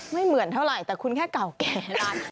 ไม่เหมือนเท่าไหร่แต่คุณแค่เก่าแก่ร้าน